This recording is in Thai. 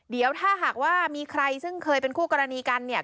เดี๋ยวถ้าหากว่ามีใครซึ่งเคยเป็นคู่กรณีกันเนี่ย